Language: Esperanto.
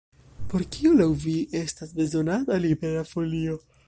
Por kio laŭ vi estas bezonata Libera Folio?